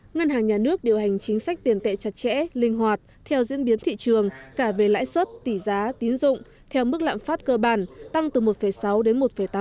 ngân hàng nhà nước điều hành chính sách tiền tệ chặt chẽ linh hoạt theo diễn biến thị trường cả về lãi suất tỷ giá tín dụng theo mức lạm phát cơ bản tăng từ một sáu đến một tám